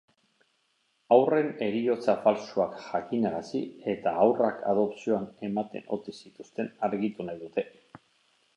Haurren heriotza faltsuak jakinarazi eta haurrak adopzioan ematen ote zituzten argitu nahi dute.